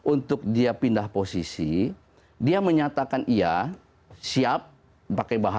untuk dia pindah posisi dia menyatakan iya siap pakai bahasa